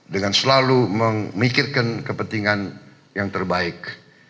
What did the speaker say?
dengan selalu memikirkan kepentingan yang terbaik